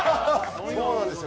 そうなんですよ。